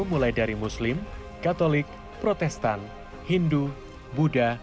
mulai dari muslim katolik protestan hindu buddha